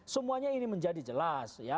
semuanya ini menjadi jelas ya